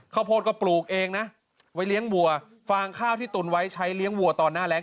โพดก็ปลูกเองนะไว้เลี้ยงวัวฟางข้าวที่ตุ๋นไว้ใช้เลี้ยงวัวตอนหน้าแรง